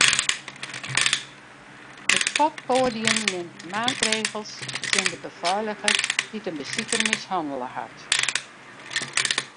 It poppoadium nimt maatregels tsjin de befeiliger dy't in besiker mishannele hat.